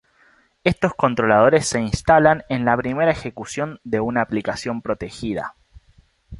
Estos controladores se instalan en la primera ejecución de una aplicación protegida.